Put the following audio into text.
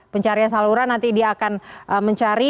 pencarian saluran nanti dia akan mencari